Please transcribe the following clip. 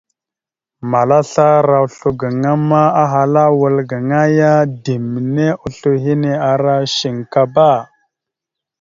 Mala asla ara oslo gaŋa ma ahala a wal gaŋa ya ɗimne oslo hine ara shankaba.